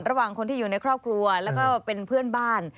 ระหว่างคนที่อยู่ในครอบครัวแล้วก็เป็นเพื่อนบ้าน